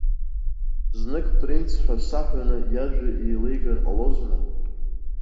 Знык принц ҳәа саҳәаны иажәа еилеигар ҟалозма!